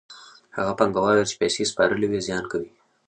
هغو پانګوالو چې پیسې سپارلې وي زیان کوي